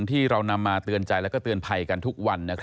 ที่เรานำมาเตือนใจและเตือนภัยกันทุกวัน